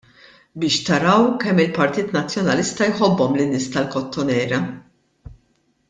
Biex taraw kemm il-Partit Nazzjonalista jħobbhom lin-nies tal-Kottonera!